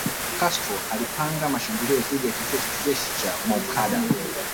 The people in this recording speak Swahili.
Castro alipanga shambulio dhidi ya kituo cha kijeshi cha Moncada